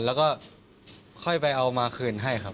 แล้วก็ค่อยไปเอามาคืนให้ครับ